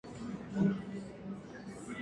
And what sort of young lady is she?